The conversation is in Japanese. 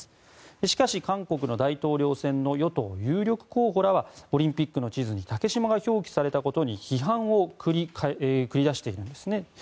しかし、韓国の大統領選の与党有力候補らはオリンピックの地図に竹島が表記されたことに批判を繰り出しているんですね。